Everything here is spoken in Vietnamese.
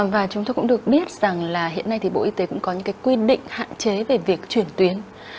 và chúng tôi cũng được biết rằng là hiện nay thì bộ y tế cũng có những cái quy định hạn chế về việc chuyển tuyến